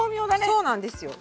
そうなんですよ。